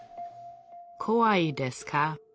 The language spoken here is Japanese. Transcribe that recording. こわいですか？